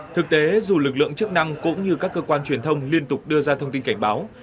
thực tế dù lực lượng chức năng cũng như các cơ quan truyền thông liên tục đưa ra thông tin cảnh báo